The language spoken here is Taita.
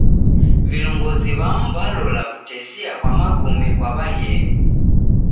Vilongozi w'amu w'alola w'utesia ghwa magome kwa w'aghenyu.